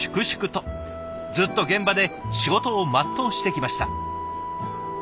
ずっと現場で仕事を全うしてきました。